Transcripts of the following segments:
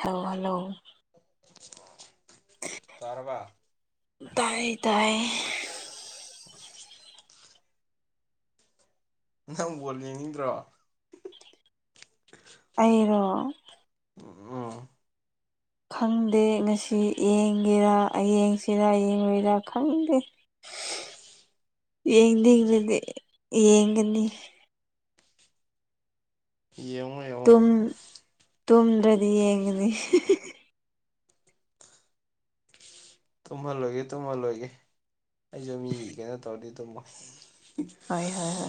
ꯍ ꯍꯂꯣ [unintelligible] ꯇꯥꯔꯕ ꯇꯥꯏ ꯇꯥꯏ ꯅꯪꯕꯨꯣꯜ ꯌꯦꯡꯅꯤꯡꯗ꯭ꯔꯣ ꯑꯩꯔꯣ ꯑ ꯈꯪꯗꯦ ꯉꯁꯤ ꯌꯦꯡꯒꯦꯔꯥ ꯌꯦ ꯌꯦꯡꯁꯤꯔꯥ ꯌꯦꯡꯉꯣꯏꯔꯥ ꯈꯪꯗꯦ ꯌꯦꯡꯗꯤꯗꯤ ꯌꯦꯡꯒꯅꯤ ꯌꯦꯡꯉꯣ ꯌꯦꯡꯉꯣ ꯇꯨꯝ ꯇꯨꯝꯗ꯭ꯔꯗꯤ ꯌꯦꯡꯒꯅꯤ ꯇꯨꯝꯍꯜꯂꯣꯏꯒꯦ ꯇꯨꯝꯍꯜꯂꯣꯏꯒꯦ ꯑꯩꯁꯨ ꯃꯤ ꯀꯦꯩꯅ ꯇꯧꯔꯗꯤ ꯇꯨꯝꯃꯣ ꯍꯣꯏ ꯍꯣꯏ ꯍ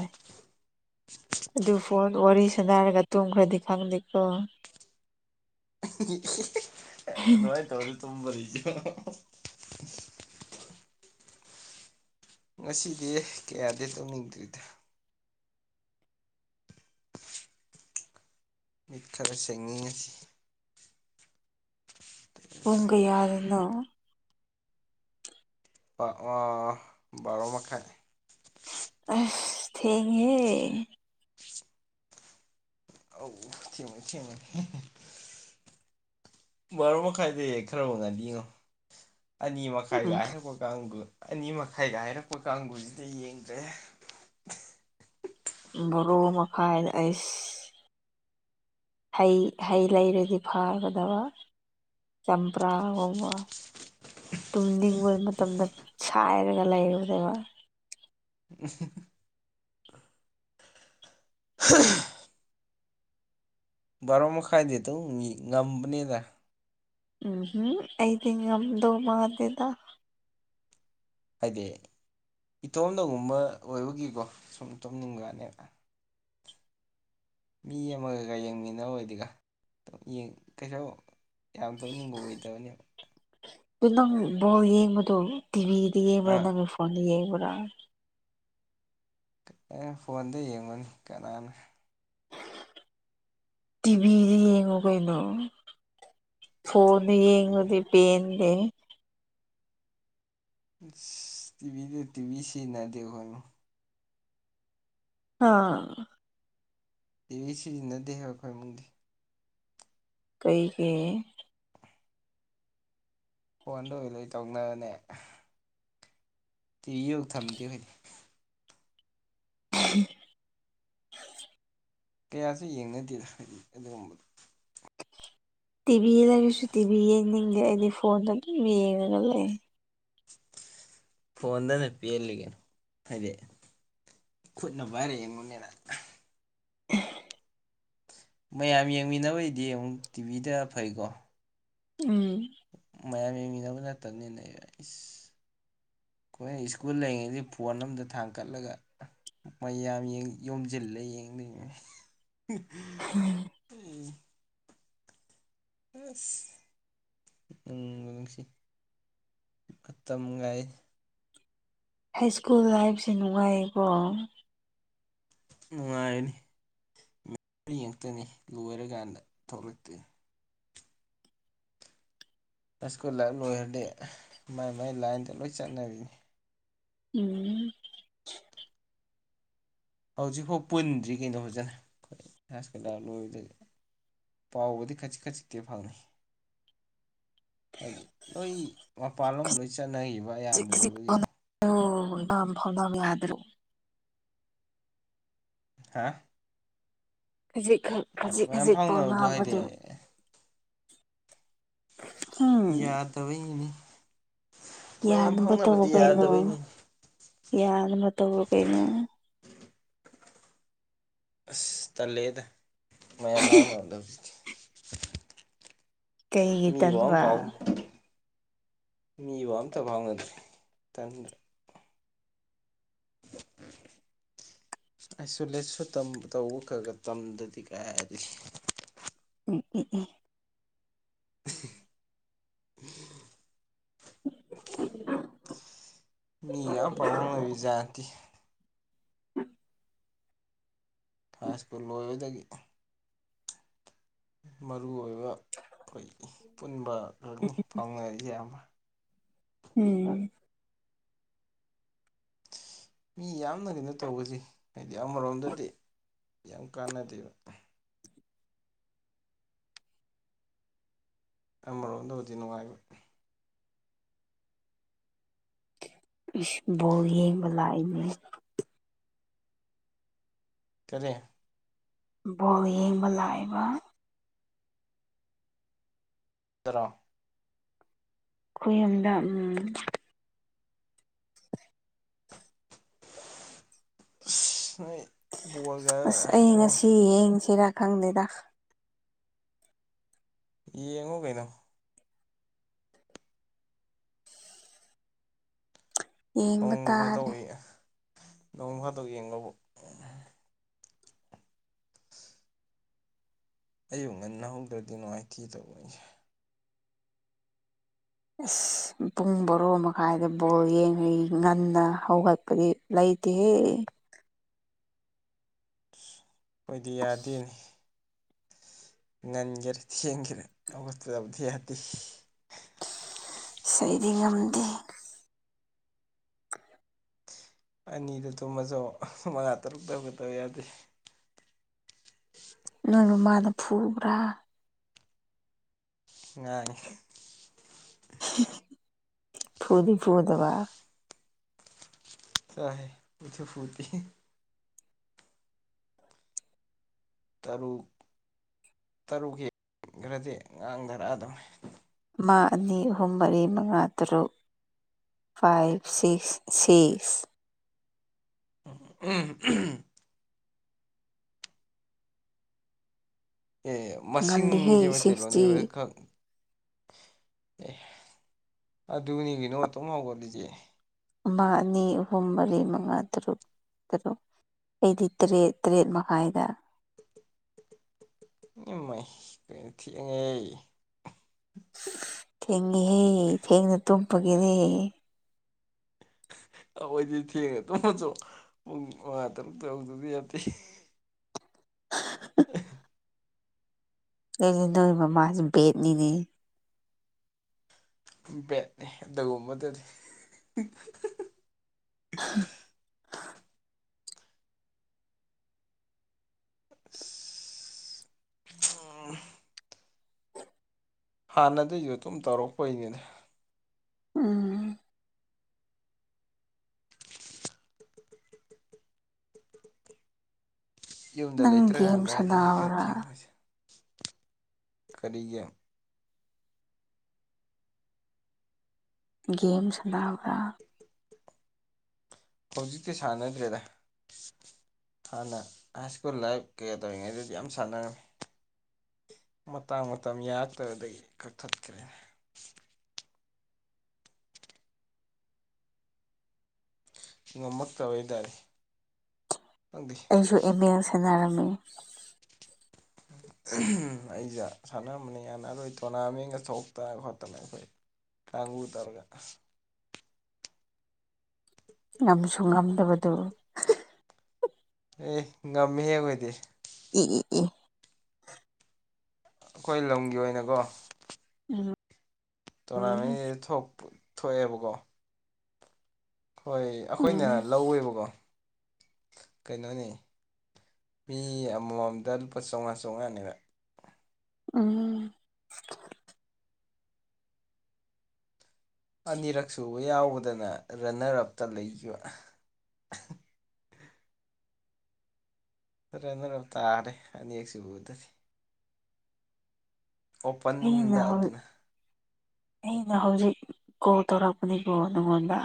ꯑꯗꯨ ꯐ ꯋꯥꯔꯤ ꯁꯥꯟꯅꯔꯒ ꯇꯨꯝꯈ꯭ꯔꯗꯤ ꯈꯪꯗꯦꯀꯣ ꯑꯗꯨꯃꯥꯏꯅ ꯇꯧꯅꯤ ꯇꯨꯝꯕꯔꯤꯁꯤ ꯉꯁꯤꯗꯤ ꯀꯌꯥꯗꯤ ꯇꯧꯅꯤꯡꯗꯣꯏꯗ ꯃꯤꯠ ꯈꯔ ꯁꯦꯡꯉꯤꯉꯁꯤ ꯄꯨꯡ ꯀ ꯌꯥꯗꯅ ꯔꯣ ꯃꯈ ꯃꯈꯥꯏ ꯑ ꯊꯦꯡꯉꯦ ꯑꯧ ꯊ ꯊꯃꯅꯤ ꯕꯥꯨ ꯃꯈꯥꯏꯗ ꯈꯔꯕꯨ ꯉꯥꯅꯤꯉꯣ ꯑꯅꯤ ꯃꯈꯥꯏꯒ ꯎꯝ ꯍꯥꯏꯔꯛꯄ ꯀꯥꯡꯗꯨ ꯑꯅꯤ ꯃꯈꯥꯏꯒ ꯍꯥꯏꯔꯛꯄ ꯀꯥꯡꯕꯨꯁꯤꯗ ꯌꯦꯡꯗ꯭ꯔꯦ ꯣꯔꯣ ꯃꯈꯐꯥꯏꯗ ꯑꯁ ꯍꯩ ꯍꯩ ꯂꯩꯔꯗꯤ ꯐꯥꯒꯗꯕ ꯆꯝꯄ꯭ꯔꯥ ꯋꯥꯉ ꯇꯨꯝꯅꯤꯡꯕ ꯃꯇꯝꯗ ꯁꯥꯏꯔꯒ ꯂꯩꯔꯨꯗꯦꯕ ꯍ ꯔ ꯃꯈ ꯈꯥꯏꯗꯦ ꯇꯨ ꯃꯤ ꯉꯝꯄꯅꯤꯗ ꯎꯝꯝ ꯑꯩꯗꯤ ꯉꯝꯗꯧ ꯃꯥꯗꯦꯗ ꯍꯥꯏꯗꯤ ꯏꯇꯣꯝꯗꯒꯨꯝꯕ ꯑꯣꯏꯕꯒꯤꯀꯣ ꯁꯨꯝ ꯏ ꯇꯣꯝꯅꯤꯡꯕꯅꯦꯕ ꯃꯤ ꯑꯃꯒꯩꯀꯥ ꯌꯦꯡꯃꯤꯟꯅꯔꯣꯏꯗꯤꯒ ꯌꯦ ꯀꯩꯁꯨ ꯌꯥꯝꯗꯕ ꯅꯤꯡꯉꯣ ꯑꯣꯏꯗꯕꯅꯦꯕ ꯑꯗꯨ ꯅꯪ ꯕꯣꯜ ꯌꯦꯡꯕꯗꯣ ꯇꯤꯚꯤꯗ ꯌꯦꯡꯕ꯭ꯔꯥ ꯑꯥ ꯅꯪꯒꯤ ꯐꯣꯟꯗ ꯌꯦꯡꯕ꯭ꯔꯥ ꯑꯦ ꯐꯣꯟꯗ ꯌꯦꯡꯉꯨꯅꯤ ꯀꯅꯥꯅ ꯇꯤꯚꯤꯗ ꯌꯦꯡꯉꯣ ꯀꯩꯅꯣ ꯐꯣꯟꯗ ꯌꯦꯡꯂꯗꯤ ꯄꯦꯟꯗꯦ ꯇꯤꯚꯤꯗ ꯇꯤꯚꯤ ꯁꯤꯟꯅꯗꯦ [unintelligible] ꯍꯥ ꯇꯤꯚꯤ ꯁꯤꯖꯤꯟꯅꯗꯦ ꯍꯥꯏꯕ ꯑꯩꯈꯣꯏ ꯏꯃꯨꯡꯗꯤ ꯀꯩꯒꯤ ꯐꯣꯟꯗ ꯑꯣꯏ ꯂꯣꯏ ꯇꯧꯅꯕꯅꯦ ꯇꯤꯚꯤ ꯌꯨꯝ ꯊꯝꯗꯦ ꯑꯩꯈꯣꯏꯗꯤ ꯎ ꯀꯌꯥꯁꯨ ꯌꯦꯡꯅꯗꯦꯗ ꯍꯥꯏꯗꯤ ꯑꯗꯨꯒꯨꯝꯕꯗꯣ ꯇꯤꯚꯤ ꯂꯩꯔꯁꯨ ꯇꯤꯚꯤ ꯌꯦꯡꯅꯤꯡꯗꯦ ꯑꯩꯗꯤ ꯐꯣꯟꯗ ꯑꯗꯨꯝ ꯌꯦꯡꯉꯒ ꯂꯩ ꯐꯣꯟꯗꯅ ꯄꯦꯜꯂꯤꯅꯦ ꯍꯥꯏꯗꯤ ꯈꯨꯠꯅ ꯄꯥꯏꯔ ꯌꯦꯡꯉꯨꯅꯦꯅ ꯃꯌꯥꯝ ꯌꯦꯡꯃꯤꯟꯅꯕꯩꯗꯤ ꯑꯃꯨꯛ ꯇꯤꯚꯤꯗ ꯐꯩꯀꯣ ꯎꯝ ꯃꯌꯥꯝ ꯌꯦꯡꯃꯤꯟꯅꯕ ꯅꯠꯇꯕꯅꯤꯅ ꯑꯩ ꯏꯁ [inaudible] ꯑꯩꯈꯣꯏꯅ ꯁ꯭ꯀꯨꯜ ꯂꯩꯔꯤꯉꯩꯗꯗꯤ ꯐꯣꯟ ꯑꯝꯗ ꯊꯥꯡꯀꯠꯂꯒ ꯃꯌꯥꯝ ꯌꯣꯝꯖꯤꯜꯂ ꯌꯦꯡꯉꯤ ꯑ [unintelligible] ꯎꯝ ꯎꯝ ꯎꯝꯁꯤ [unintelligible] ꯑꯠꯇ ꯃꯒꯥꯏ [unintelligible] ꯍꯥꯏ ꯁ꯭ꯀꯨꯜ ꯂꯥꯏꯐꯁꯦ ꯅꯨꯡꯉꯥꯏꯌꯦꯀꯣ ꯅꯨꯡꯉꯥꯏꯅꯤ ꯃ ꯌꯦꯛꯇꯅꯤ ꯂꯣꯏꯔꯀꯥꯟꯗ ꯊꯣꯛ [unintelligible] ꯂꯛꯇꯦ ꯍꯥꯏ ꯁ꯭ꯀꯨꯜ ꯂꯥꯏꯐ ꯂꯣꯏꯔꯗꯤ ꯃꯥꯏ ꯃꯥꯏ ꯂꯥꯏꯟꯗ ꯂꯣꯏ ꯆꯠꯅꯔꯅꯤ ꯎꯝ ꯍꯧꯖꯤꯛꯐꯥꯎ ꯄꯨꯟꯗ꯭ꯔꯤ ꯀꯩꯅꯣ ꯐꯖꯅ ꯍꯥꯏ ꯁ꯭ꯀꯨꯜ ꯂꯥꯏꯐ ꯂꯣꯏꯕꯗꯒꯤ ꯄꯥꯎꯕꯨꯗꯤ ꯈꯖꯤꯛ ꯈꯖꯤꯛꯇꯤ ꯐꯥꯎꯅꯩ ꯍꯥꯏꯗꯤ ꯂꯣꯏ ꯃꯄꯥꯟꯂꯣꯝ ꯂꯣꯏ ꯆꯠꯅꯈꯤꯕ ꯑꯌꯥꯝꯕ ꯑꯣꯏꯕꯨꯗꯤ ꯝ ꯐꯥꯎꯗ ꯌꯥꯗ꯭ꯔꯣ [unintelligible] ꯍꯥ ꯈꯖꯤꯛꯈꯛ ꯈꯖꯤꯛ ꯃꯌꯥꯝ ꯈꯖꯤꯛ ꯐꯥꯎꯅꯕꯗꯣ ꯍꯥꯏꯗꯤ ꯐꯥꯎꯅꯕꯗꯨ ꯌꯥꯗꯕꯩꯅꯤꯅꯦ ꯃꯌꯥꯝ ꯌꯥꯅꯕ ꯇꯧꯔꯣ ꯐꯥꯎꯅꯕꯗꯤ ꯀꯩꯅꯣ ꯌꯥꯗꯕꯩꯅꯤꯅꯦ ꯌꯥꯅꯕ ꯇꯧꯔꯣ ꯀꯩꯅꯣ ꯑꯁ ꯇꯜꯂꯦꯗ ꯃꯌꯥꯝ ꯐꯥꯎꯅꯗꯧꯁꯦ ꯀꯩꯒꯤ ꯇꯟꯕꯥ ꯃꯤꯕꯨ ꯑꯝꯇ ꯐꯥꯎꯅꯗ꯭ꯔꯤ ꯇꯟ꯭ꯗ꯭ꯔꯥ ꯑꯥꯏꯁꯣꯂꯦꯠꯁꯨ ꯇꯧꯕ ꯈꯒꯥ ꯇꯝꯗꯔꯗꯤ ꯀꯥꯏꯗꯒꯤ ꯎꯝ ꯎꯝ ꯎꯝ [inaudible] ꯃꯤꯒ ꯌꯥꯝ ꯄꯥꯎ ꯐꯥꯎꯅꯔꯤ ꯖꯥꯇꯤ ꯎꯝ ꯐꯖꯄꯨ ꯂꯣꯏꯕꯗꯒꯤ [unintelligible] ꯃꯔꯨ ꯑꯣꯏꯕ ꯑꯩꯈꯣꯏ ꯄꯨꯟꯕ ꯈꯛꯅꯤ ꯐꯥꯎꯅꯔꯤꯁꯦ ꯑꯃ ꯎꯝ ꯃꯤ ꯌꯥꯝꯅ ꯀꯩꯅꯣ ꯇꯧꯕꯁꯤ ꯍꯥꯏꯗꯤ ꯑꯃꯔꯣꯝꯗꯗꯤ ꯌꯥꯝ ꯀꯥꯟꯅꯗꯦꯕ ꯑꯃꯔꯣꯝꯗꯕꯨꯗꯤ ꯅꯨꯡꯉꯥꯏꯕ ꯏꯁ ꯕꯣꯜ ꯌꯦꯡꯕ ꯂꯛꯏꯅꯤ ꯀꯔꯦ ꯕꯣꯜ ꯌꯦꯡꯕ ꯂꯥꯛꯏꯕ ꯇꯔꯥ [unintelligible] ꯈꯣꯢꯌꯨꯝꯗ ꯎꯝ ꯅꯣꯏ ꯕꯣꯜꯒ ꯑꯣ ꯍꯦꯔꯥ ꯈꯪꯗꯦꯗ ꯌꯦꯡꯉꯣ ꯀꯩꯅꯣ ꯌꯦꯡꯕ ꯅꯣꯡ ꯇꯥꯔꯦ ꯐꯥꯗꯣꯛꯏ ꯅꯣꯡ ꯐꯥꯗꯣꯛ ꯌꯦꯡꯕꯕꯨ ꯑꯨꯛ ꯉꯟꯅꯍꯧꯗ꯭ꯔꯗꯤ ꯅꯨꯡꯉꯥꯏꯇꯦ ꯇꯧꯕꯅꯦ ꯑꯁ ꯄꯨꯡ ꯕꯣꯔꯣ ꯃꯈꯥꯏꯗ ꯕꯣꯜ ꯌꯦꯡꯉꯩ ꯉꯟꯅ ꯍꯧꯒꯠꯄꯗꯤ ꯂꯩ ꯇꯦ ꯈꯣꯏꯗꯤ ꯌꯥꯗꯦꯅꯦ ꯉꯟꯒꯦꯔ ꯊꯦꯡꯒꯦꯔ ꯍꯧꯒꯠꯇꯕꯗꯤ ꯌꯥꯗꯦ ꯁꯤꯗꯤ ꯉꯝꯗꯦ ꯑꯅꯤꯗ ꯇꯨꯝꯃꯁꯨ ꯃꯉꯥ ꯇꯔꯨꯛ ꯇꯧꯒꯗꯕ ꯌꯥꯗꯦ ꯅꯣꯏꯕꯨ ꯃꯥꯗ ꯐꯨꯕ꯭ꯔꯥ ꯉꯥꯡꯅꯤ ꯐꯨꯗꯤ ꯐꯨꯗꯕ ꯆꯂꯣꯍꯦ ꯐꯨꯗꯤ ꯐꯨꯗꯧ ꯇꯔꯨꯛ ꯇꯔꯨꯛ ꯍꯈ꯭ꯔꯗꯤ ꯉꯥꯡꯊꯔꯛꯑꯗꯧꯅꯦ ꯑꯃ ꯑꯅꯤ ꯑꯍꯨꯝ ꯃꯔꯤ ꯃꯉꯥ ꯇꯔꯨꯛ ꯐꯥꯏꯞ ꯁꯤꯛꯁ ꯁꯤꯁ ꯎꯝ ꯑꯦ ꯉꯜꯂꯤꯍꯦ ꯃꯁꯤꯡꯁꯦ ꯃꯩꯇꯩꯂꯣꯟꯗꯤ ꯁꯤꯛꯁꯇꯤ ꯍꯧꯖꯤꯛ ꯈꯛ ꯑꯦ ꯑꯗꯨꯅꯤ ꯀꯩꯅꯣ ꯇꯨꯍꯧꯥꯎꯒꯠꯂꯤꯁꯦ ꯑꯃ ꯑꯅꯤ ꯑꯍꯨꯝ ꯃꯔꯤ ꯃꯉꯥ ꯇꯔꯨꯛ ꯇꯔꯨꯛ ꯑꯩꯗꯤ ꯇꯔꯦꯠ ꯇꯔꯦꯠ ꯃꯈꯥꯏꯗ ꯏꯃꯩꯏ ꯀꯩꯅꯣ ꯊꯦꯡꯉꯦꯍꯦ ꯊꯦꯡꯉꯦꯍꯦ ꯊꯦꯡꯅ ꯇꯨꯝꯄꯒꯤꯅꯤ [inaudible] ꯑꯩꯈꯣꯏꯗꯤ ꯊꯦꯡꯅ ꯇꯨꯝꯃꯁꯨ ꯄꯨꯡ ꯃꯉꯥ ꯇꯔꯨꯛ ꯍꯧꯗꯕ ꯌꯥꯗꯦ [inaudible] ꯑꯩꯅ ꯅꯣꯏ ꯃꯃꯥꯁꯦ ꯕꯦꯠꯅꯤꯅꯦ ꯕꯦꯠꯅꯤ ꯑꯗꯨꯒꯨꯝꯕꯗꯨꯗꯤ [inaudible] ꯑꯣ [unintelligible] ꯍꯥꯟꯅꯗꯒꯤꯁꯨ ꯑꯗꯨꯝ ꯇꯧꯔꯛꯄꯩꯅꯤꯅꯦ ꯎꯝ ꯌꯨꯝꯗ ꯅꯪ ꯒꯦꯝ ꯂꯩꯇ꯭ꯔꯀꯥꯟꯗꯅꯦ ꯈꯔ ꯁꯥꯟꯅꯕ꯭ꯔꯥ ꯊꯦꯡꯅꯣꯏꯁꯦ ꯀꯔꯤꯒꯤꯅꯣ ꯒꯦꯝ ꯁꯥꯅꯕ꯭ꯔ ꯍꯧꯖꯤꯛꯇꯤ ꯁꯥꯟꯅꯗ꯭ꯔꯦꯗ ꯍꯥꯟꯅ ꯍꯥꯏ ꯁ꯭ꯀꯨꯜ ꯂꯥꯏꯞ ꯀꯌꯥ ꯇꯧꯔꯤꯉꯩꯗꯗꯤ ꯌꯥꯝ ꯁꯥꯟꯅꯔꯝꯃꯤ ꯃꯇꯥꯡ ꯃꯇꯝ ꯌꯥꯔꯛꯇꯕꯗꯒꯤ ꯀꯛꯊꯠꯈ꯭ꯔꯦ ꯉꯝꯃꯛꯇꯕ ꯍꯥꯏꯇꯥꯔꯦ ꯈꯪꯗꯦ ꯑꯩꯁꯨ ꯏꯃꯦꯜ ꯁꯦꯟꯅꯔꯝꯃꯤ ꯑꯩꯁꯦ ꯁꯥꯟꯅꯔꯝꯕꯅꯤ ꯀꯅ ꯑꯗꯨ ꯇꯣꯔꯅꯥꯃꯦꯟꯒ ꯊꯣꯛꯇꯅ ꯈꯣꯠꯇꯅ ꯑꯩꯈꯣꯏ ꯇꯪꯉꯨ ꯇꯧꯔꯒ ꯉꯝꯁꯨ ꯉꯝꯗꯕꯗꯨ ꯑꯦ ꯉꯝꯃꯦꯍꯦ ꯑꯩ ꯈꯣꯏꯗꯤ [inaudible] ꯑꯩꯈꯣꯏ ꯂꯝꯒꯤ ꯑꯣꯏꯅꯀꯣ ꯎꯝ ꯇꯣꯔꯅꯥꯃꯦꯟꯁꯤ ꯊꯣꯛꯑꯦꯕꯀꯣ ꯍꯣꯏ ꯑꯩꯈꯣꯏꯅ ꯎꯝ ꯂꯧꯋꯦꯕꯀꯣ ꯀꯩꯅꯣꯅꯦ ꯃꯤ ꯑꯃꯃꯝꯗ ꯂꯨꯄꯥ ꯆꯥꯝꯃꯉꯥ ꯆꯥꯝꯃꯉꯥꯅꯦꯕ ꯎꯝ ꯑꯅꯤꯔꯛ ꯁꯨꯕ ꯌꯥꯎꯕꯗꯅ ꯔꯟꯅꯔ ꯑꯞꯇ ꯂꯩꯈꯤꯕ ꯔꯅꯔ ꯇꯥꯔꯦ ꯑꯅꯤꯌꯦꯛꯁꯤ ꯎꯗꯗꯤꯦ ꯑꯩꯅ ꯑꯣꯄꯟꯗ ꯍꯧ ꯑꯗꯨꯅ ꯑꯩꯅ ꯍꯧꯖꯤꯛ ꯀꯣ ꯇꯣꯔꯥꯄꯅꯤꯕ ꯅꯉꯣꯟꯗ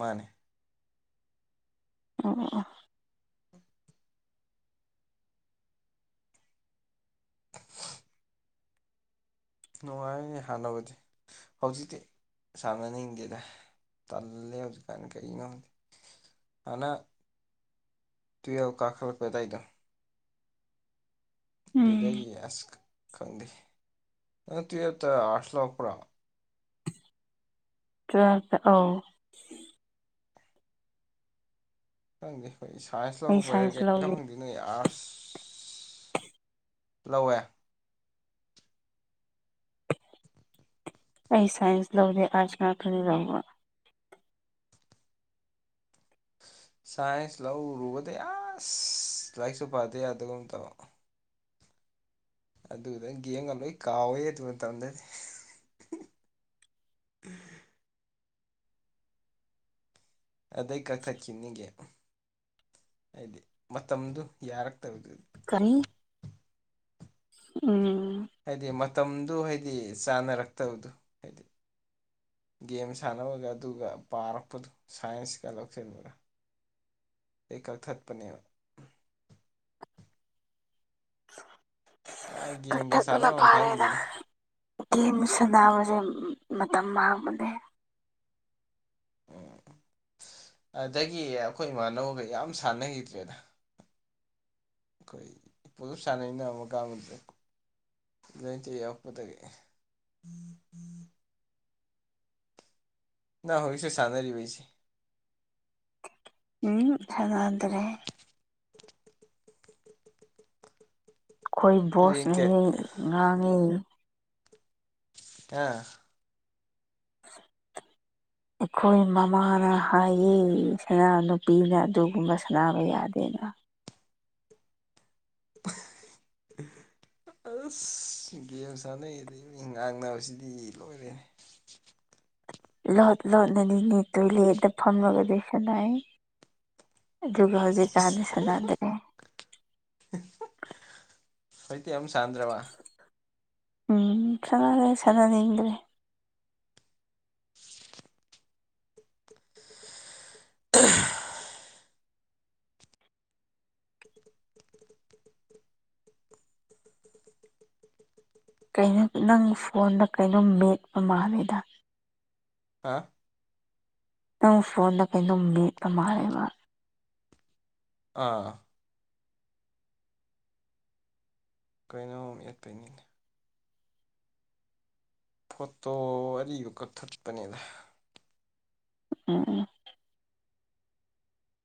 ꯃꯥꯅꯦ ꯑꯣ ꯅꯨꯡꯉꯥꯏꯅꯦ ꯍꯥꯟꯅꯕꯗꯤ ꯍꯧꯖꯤꯛꯇꯤ ꯁꯥꯟꯅꯅꯤꯡꯗꯦꯗ ꯇꯜꯂꯦ ꯍꯧꯖꯤꯛꯀꯥꯟ ꯀꯅꯣꯗꯦ ꯍꯅ ꯇꯨ ꯀꯥꯈꯂꯄ ꯇꯥꯏꯗ ꯎꯝ ꯑꯗꯨꯗꯒꯤ ꯑꯁ ꯈꯪꯗꯦ ꯅꯪ ꯇꯠꯇ ꯑꯁ ꯂꯄ꯭ꯔꯥ ꯇꯦ ꯑ ꯈꯪꯗꯦ ꯑꯩꯈꯣꯏ ꯁꯥꯏꯟꯁ ꯑꯩ ꯂꯧꯔꯛꯄꯔ ꯁꯥꯏꯟꯁ ꯀꯩꯅꯣ ꯂꯧꯗꯦ ꯈꯪꯗꯦ ꯅꯣꯏ ꯑꯥꯠ ꯂꯧꯧꯋꯦ ꯑꯩ ꯁꯥꯏꯟꯁ ꯂꯧꯗꯦ ꯑꯥꯔꯆꯅꯥ ꯈꯔꯤ ꯂꯎꯕ ꯁꯥꯏꯟꯁ ꯂꯧꯔꯨꯕꯗ ꯑꯁ ꯂꯥꯏꯔꯤꯛꯁꯨ ꯐꯗ ꯌꯥꯗꯨꯝ ꯇꯕ ꯑꯗꯨꯗꯪ ꯌꯦꯡꯒ ꯂꯣꯏ ꯀꯥꯎꯋꯦ ꯑꯗꯨ ꯃꯇꯝꯗꯗꯤ [unintelligible] ꯑꯗꯩ ꯀꯛꯊꯠꯈꯤꯕꯅꯤꯒꯦ ꯍꯥꯏꯗꯤ ꯃꯇꯝꯗꯨ ꯌꯥꯔꯛꯇꯕꯗꯨꯗꯤ ꯀꯔꯤ ꯎꯝ ꯍꯥꯏꯗꯤ ꯃꯇꯝꯗꯨ ꯍꯥꯏꯗꯤ ꯆꯥꯅꯔꯛꯇꯕꯗꯣ ꯍꯥꯏꯗꯤ ꯒꯦꯝ ꯁꯥꯟꯅꯕꯒ ꯑꯗꯨꯒ ꯄꯥꯔꯛꯄꯗꯨ ꯁꯥꯏꯟꯁꯀ ꯂꯧꯁꯤꯟꯕꯒ ꯑꯩ ꯀꯛꯊꯠꯄꯅꯦꯕ ꯀꯥꯏ ꯒꯦꯝꯒ ꯀꯛꯊꯛ ꯑ ꯁꯥꯟꯅꯕꯝ ꯄꯔꯗ ꯈꯪꯗꯦꯗ ꯀꯦꯝ ꯁꯥꯟꯅꯥꯕꯁꯦ ꯃꯇꯝ ꯃꯥꯡꯕꯅꯦ ꯎꯝ [unintelligible] ꯑꯗꯒꯤ ꯑꯩꯈꯣꯏ ꯏꯃꯥꯟꯅꯕꯅꯕꯒ ꯌꯥꯝ ꯁꯥꯟꯅꯈꯤꯗ꯭ꯔꯦꯗ ꯑꯩꯈꯣꯏ ꯄꯣꯂꯞ ꯁꯥꯟꯅꯩꯅ ꯑꯃꯨꯛꯀꯗꯦ ꯂꯣꯏꯇ ꯌꯄꯗꯒꯤ ꯍꯧꯣꯏꯁ ꯁꯥꯟꯅꯔꯤꯕꯩꯁꯤ ꯎꯝ ꯆꯉꯗ꯭ꯔꯦ ꯑꯩꯈꯣꯏ ꯔꯦꯡ ꯀꯌꯥ ꯕꯣꯁꯅꯩ ꯉꯥꯡꯉꯤ ꯑ [unintelligible] ꯑꯩꯈꯣꯏ ꯃꯃꯥꯅ ꯍꯥꯏꯌꯦ ꯁꯅꯥ ꯅꯨꯄꯤꯅ ꯑꯗꯨꯒꯨꯝꯕ ꯁꯅꯥꯅꯕ ꯌꯥꯗꯦꯅ [unintelligible] ꯑꯁ ꯒꯦꯝ ꯁꯥꯟꯅꯩꯌꯦꯗꯒꯤꯩ ꯃꯤ ꯉꯥꯡꯅꯕꯁꯤꯗꯤ ꯂꯣꯏꯔꯦꯅꯦ [unintelligible] ꯂꯣꯠ ꯂꯣꯠꯅꯅꯤꯅꯦ ꯇꯣꯏꯂꯦꯠꯇ ꯐꯝꯃꯒꯗꯤ ꯁꯅꯏ ꯑꯗꯨꯒ ꯍꯧꯖꯤꯛꯀꯥꯟꯗꯤ ꯁꯥꯟꯅꯗꯦ ꯐꯣꯏꯗꯤ ꯑ ꯁꯥꯗ꯭ꯔꯕꯥ ꯎꯝ ꯆꯉꯒꯦ ꯆꯉꯅꯤ ꯏꯗ꯭ꯔꯦ [unintelligible] ꯀꯩꯅꯣ ꯅꯪ ꯐꯣꯟꯗ ꯀꯩꯅꯣꯝ ꯃꯦꯠꯄ ꯃꯥꯜꯂꯦꯗ ꯍꯥ ꯅꯪ ꯐꯣꯟꯗ ꯀꯩꯗꯝ ꯃꯦꯠꯄ ꯃꯥꯜꯂꯦꯕ ꯑꯥ ꯀ ꯅꯣ ꯏꯠꯀꯅꯤ ꯐꯣꯇꯣ ꯑꯔꯤꯕꯗꯨ ꯀꯛꯊꯠꯄꯅꯤꯗ ꯑ